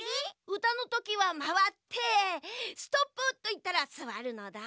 うたのときはまわって「ストップ！」といったらすわるのだ。